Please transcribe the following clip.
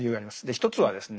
一つはですね